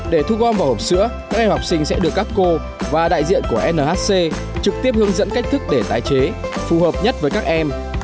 để thu gom vào hộp sữa các em học sinh sẽ được các cô và đại diện của nhc trực tiếp hướng dẫn cách thức để tái chế phù hợp nhất với các em